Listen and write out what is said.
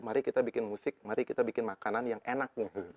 mari kita bikin musik mari kita bikin makanan yang enak